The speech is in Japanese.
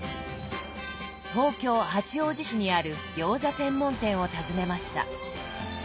東京・八王子市にある餃子専門店を訪ねました。